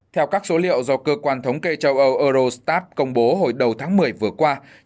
theo các số liệu do cơ quan thống kê châu âu eurostat công bố hồi đầu tháng một mươi vừa qua